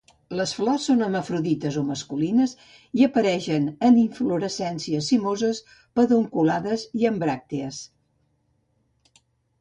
Les flors són hermafrodites o masculines i apareixen en inflorescències cimoses, pedunculades i amb bràctees.